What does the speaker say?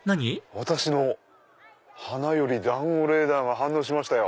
私の花より団子レーダーが反応しましたよ。